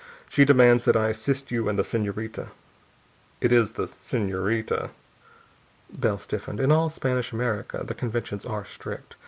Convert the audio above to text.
She demands that I assist you and the senorita it is the senorita?" Bell stiffened. In all Spanish America the conventions are strict.